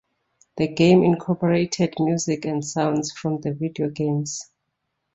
The game incorporated music and sounds from the video games.